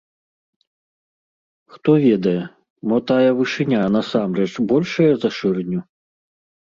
Хто ведае, мо тая вышыня, насамрэч, большая за шырыню?